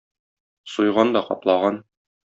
Суйган да каплаган.